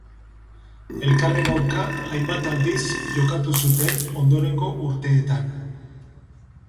Elkarren aurka hainbat aldiz jokatu zuten ondorengo urteetan.